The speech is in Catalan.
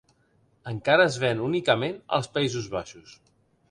Encara es ven únicament als Països Baixos.